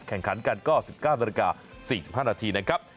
แข่งขันกันก็๑๙น๔๕นนะครับ